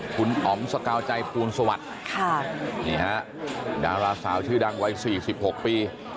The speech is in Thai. คุณอ๋อมสกาวใจภูลสวัสดิ์นี่ฮะดาราสาวชื่อดังวัย๔๖ปี